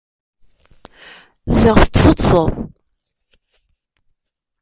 Ziɣ tṭeẓṭeẓeḍ!